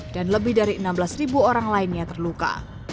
dan lebih dari enam belas orang lainnya terluka